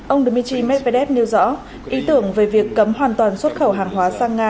ông dmitry medvedev nêu rõ ý tưởng về việc cấm hoàn toàn xuất khẩu hàng hóa sang nga